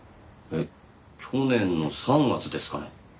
去年の３月ですかね。